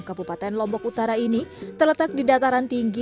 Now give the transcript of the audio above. kabupaten lombok utara ini terletak di dataran tinggi